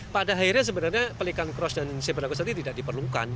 pada akhirnya sebenarnya pelikan cross dan sabera cross itu tidak diperlukan